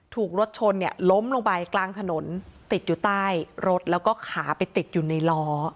ถูกรถชนเนี่ยล้มลงไปกลางถนนติดอยู่ใต้รถแล้วก็ขาไปติดอยู่ในล้อ